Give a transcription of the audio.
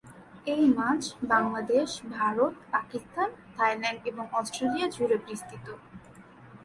এই মাছ বাংলাদেশ, ভারত, পাকিস্তান, থাইল্যান্ড এবং অস্ট্রেলিয়া জুড়ে বিস্তৃত।